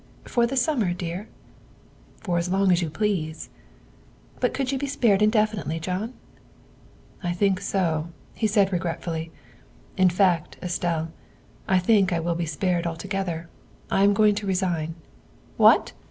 " For the summer, dear?" '' For as long as you please. ''" But could you be spared indefinitely, John?" " I think so," he said regretfully; " in fact, Estelle, I think I will be spared altogether. I am going to resign." " What?"